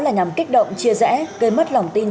là nhằm kích động chia rẽ gây mất lòng tin